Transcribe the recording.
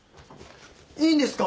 いいんですか！？